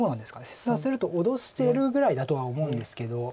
切断すると脅してるぐらいだとは思うんですけど。